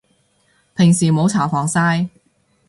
平時冇搽防曬